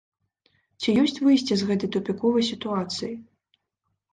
Ці ёсць выйсце з гэтай тупіковай сітуацыі?